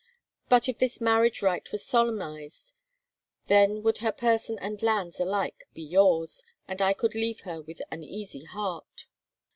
But, if this marriage rite were solemnized, then would her person and lands alike be yours, and I could leave her with an easy heart."